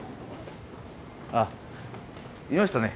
あいましたね